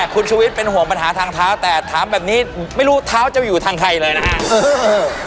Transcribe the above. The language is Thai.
คุณชุวิตเป็นห่วงปัญหาทางเท้าแต่ถามแบบนี้ไม่รู้เท้าจะอยู่ทางใครเลยนะฮะ